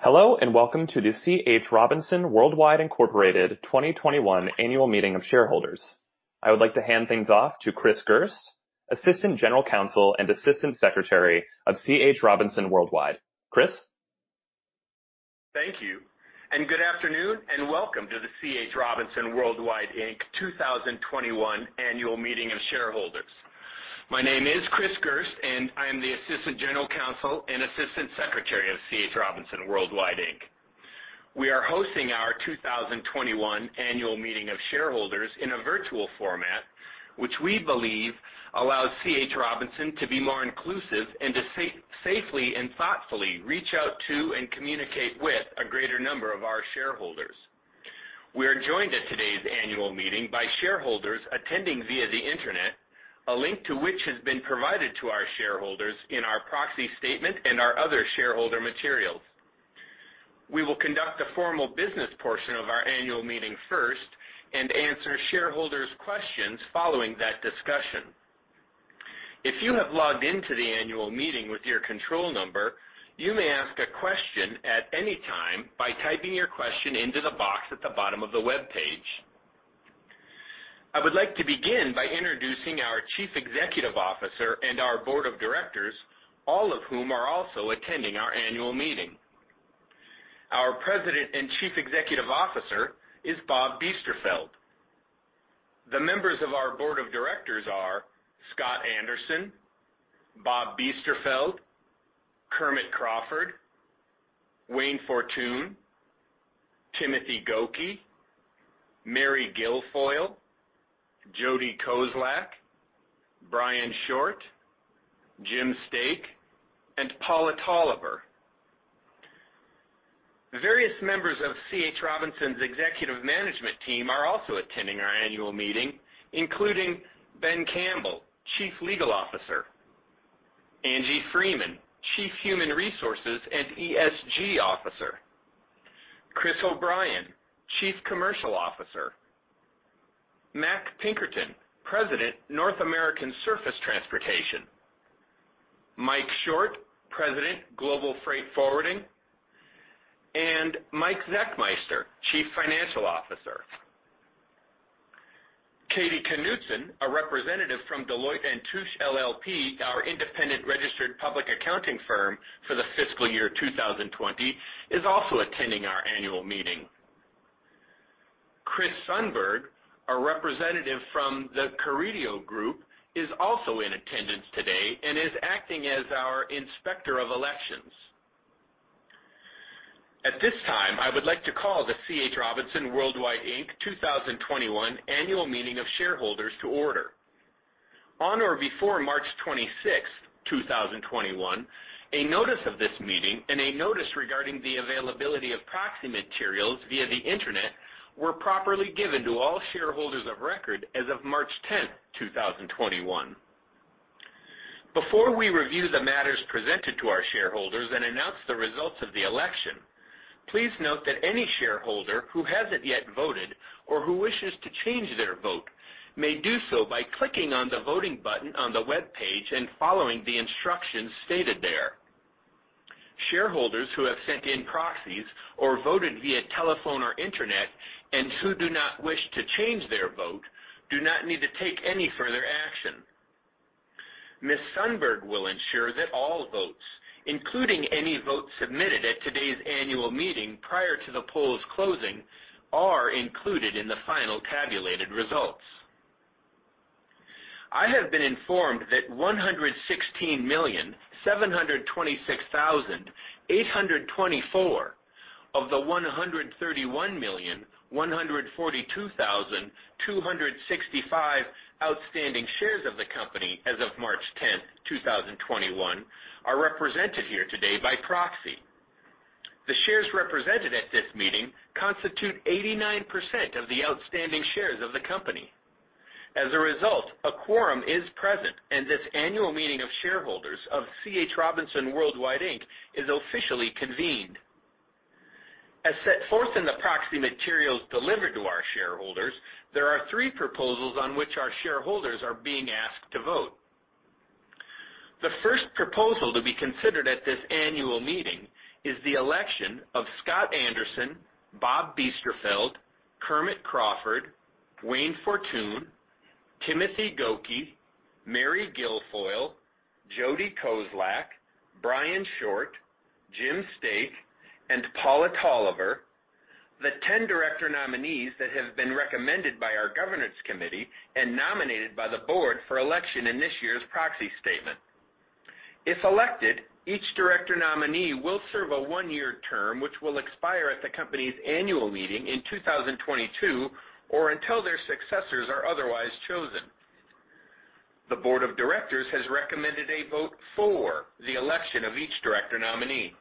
Hello and welcome to the C. H. Robinson Worldwide Incorporated 2021 Annual Meeting of Shareholders. I would like to hand things off to Chris Gerst, Assistant General Counsel and Assistant Secretary of C. H. Robinson Worldwide. Chris? Thank you, and good afternoon and welcome to the C. H. Robinson Worldwide Inc. 2021 Annual Meeting of Shareholders. My name is Chris Gerst, and I am the Assistant General Counsel and Assistant Secretary of C. H. Robinson Worldwide Inc. We are hosting our 2021 Annual Meeting of Shareholders in a virtual format, which we believe allows C. H. Robinson to be more inclusive and to safely and thoughtfully reach out to and communicate with a greater number of our shareholders. We are joined at today's annual meeting by shareholders attending via the Internet, a link to which has been provided to our shareholders in our proxy statement and our other shareholder materials. We will conduct the formal business portion of our annual meeting first and answer shareholders' questions following that discussion. If you have logged into the annual meeting with your control number, you may ask a question at any time by typing your question into the box at the bottom of the webpage. I would like to begin by introducing our Chief Executive Officer and our Board of Directors, all of whom are also attending our annual meeting. Our President and Chief Executive Officer is Bob Biesterfeld. The members of our Board of Directors are Scott Anderson, Bob Biesterfeld, Kermit Crawford, Wayne Fortun, Timothy Goke, Mary Guilfoile, Jodee Kozlak, Brian Short, Jim Stake, and Paula Tolliver Angie Freeman, Chief Human Resources and ESG Officer, Chris O'Brien, Chief Commercial Officer, Mac Pinkerton, President, North American Surface Transportation, Mike Short, President, Global Freight Forwarding, and Mike Zechmeister, Chief Financial Officer. Katie Knutson, a representative from Deloitte & Touche, LLP, our independent registered public accounting firm for the fiscal year 2020, is also attending our annual meeting. Chris Sundberg, a representative from the Carideo Group, is also in attendance today and is acting as our Inspector of Elections. At this time, I would like to call the C. H. Robinson Worldwide Inc. 2021 Annual Meeting of Shareholders to order. On or before March 26, 2021, a notice of this meeting and a notice regarding the availability of proxy materials via the Internet were properly given to all shareholders of record as of March 10, 2021. Before we review the matters presented to our shareholders and announce the results of the election, please note that any shareholder who hasn't yet voted or who wishes to change their vote may do so by clicking on the voting button on the webpage and following the instructions stated there. Shareholders who have sent in proxies or voted via telephone or Internet and who do not wish to change their vote do not need to take any further action. Ms. Sundberg will ensure that all votes, including any votes submitted at today's annual meeting prior to the polls closing, are included in the final tabulated results. I have been informed that 116,726,824 of the 131,142,265 outstanding shares of the company as of March 10, 2021, are represented here today by proxy. The shares represented at this meeting constitute 89% of the outstanding shares of the company. As a result, a quorum is present, and this annual meeting of shareholders of C. H. Robinson Worldwide Inc. is officially convened. As set forth in the proxy materials delivered to our shareholders, there are three proposals on which our shareholders are being asked to vote. The first proposal to be considered at this annual meeting is the election of Scott Anderson, Bob Biesterfeld, Kermit Crawford, Wayne Fortun, Timothy Goke, Mary Guilfoile, Jodee Kozlak, Brian Short, Jim Stake, and Paula Tolliver, the 10 director nominees that have been recommended by our governance committee and nominated by the Board for election in this year's proxy statement. If elected, each director nominee will serve a one-year term which will expire at the company's annual meeting in 2022 or until their successors are otherwise chosen. The Board of Directors has recommended a vote for the election of each director nominee.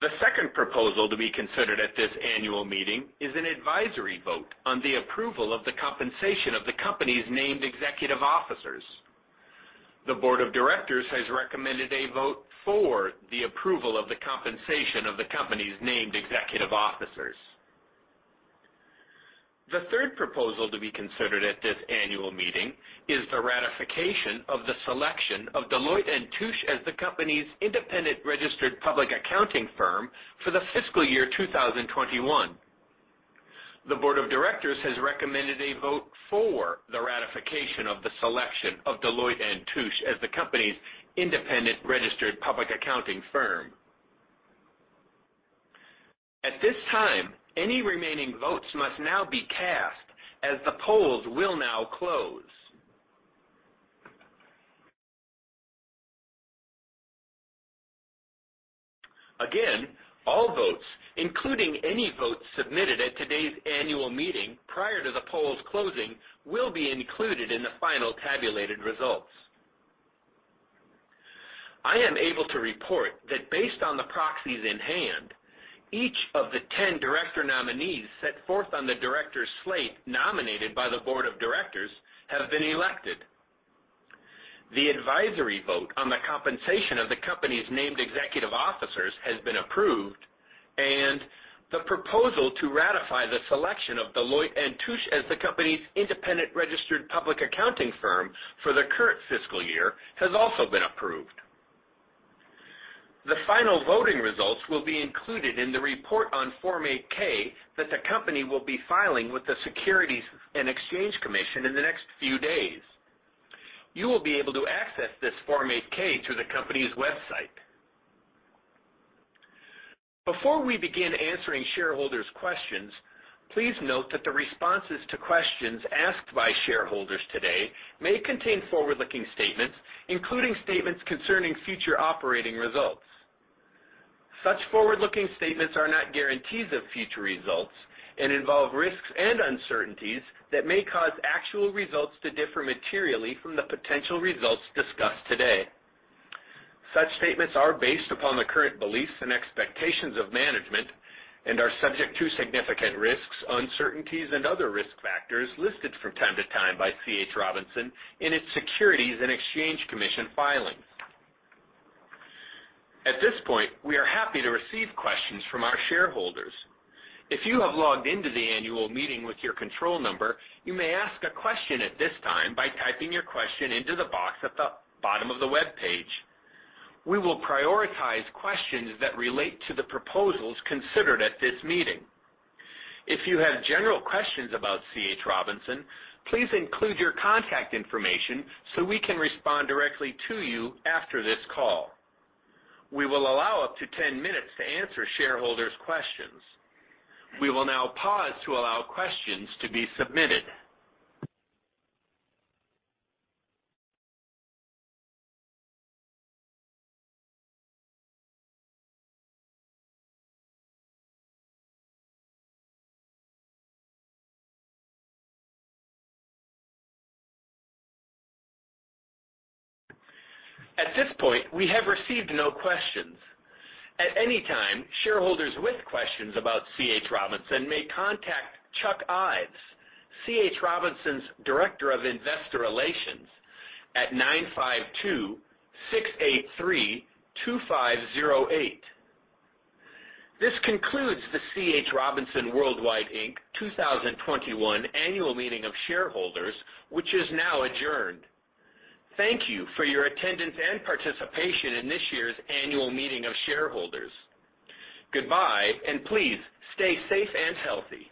The second proposal to be considered at this annual meeting is an advisory vote on the approval of the compensation of the company's named executive officers. The Board of Directors has recommended a vote for the approval of the compensation of the company's named executive officers. The third proposal to be considered at this annual meeting is the ratification of the selection of Deloitte & Touche as the company's independent registered public accounting firm for the fiscal year 2021. The Board of Directors has recommended a vote for the ratification of the selection of Deloitte & Touche as the company's independent registered public accounting firm. At this time, any remaining votes must now be cast as the polls will now close. Again, all votes, including any votes submitted at today's annual meeting prior to the polls closing, will be included in the final tabulated results. I am able to report that based on the proxies in hand, each of the 10 director nominees set forth on the directors' slate nominated by the board of directors have been elected. The advisory vote on the compensation of the company's named executive officers has been approved, and the proposal to ratify the selection of Deloitte & Touche as the company's independent registered public accounting firm for the current fiscal year has also been approved. The final voting results will be included in the report on Form 8-K that the company will be filing with the Securities and Exchange Commission in the next few days. You will be able to access this Form 8-K through the company's website. Before we begin answering shareholders' questions, please note that the responses to questions asked by shareholders today may contain forward-looking statements, including statements concerning future operating results. Such forward-looking statements are not guarantees of future results and involve risks and uncertainties that may cause actual results to differ materially from the potential results discussed today. Such statements are based upon the current beliefs and expectations of management and are subject to significant risks, uncertainties, and other risk factors listed from time to time by C. H. Robinson in its Securities and Exchange Commission filings. At this point, we are happy to receive questions from our shareholders. If you have logged into the annual meeting with your control number, you may ask a question at this time by typing your question into the box at the bottom of the webpage. We will prioritize questions that relate to the proposals considered at this meeting. If you have general questions about C. H. Robinson, please include your contact information so we can respond directly to you after this call. We will allow up to 10 minutes to answer shareholders' questions. We will now pause to allow questions to be submitted. At this point, we have received no questions. At any time, shareholders with questions about C. H. Robinson may contact Chuck Ives, C. H. Robinson's Director of Investor Relations at 952-683-2508. This concludes the C. H. Robinson Worldwide Inc. 2021 Annual Meeting of Shareholders, which is now adjourned. Thank you for your attendance and participation in this year's annual meeting of shareholders. Goodbye, and please stay safe and healthy.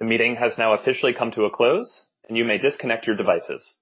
The meeting has now officially come to a close, and you may disconnect your devices.